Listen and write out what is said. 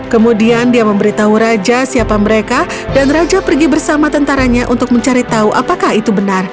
kemudian dia memberitahu raja siapa mereka dan raja pergi bersama tentaranya untuk mencari tahu apakah itu benar